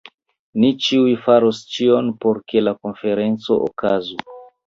Ni ĉiuj faros ĉion, por ke la konferenco okazu.